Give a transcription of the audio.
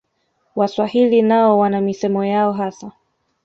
Waswahili nao wana misemo yao hasa